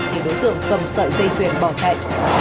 thì đối tượng cầm sợi dây chuyền bỏ chạy